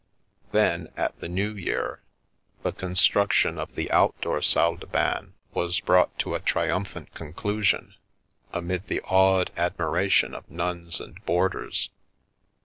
" Then, at the New Year, the construction of the indoor salle de bain was brought to a triumphant conclusion, amid the awed admiration of nuns and boarders.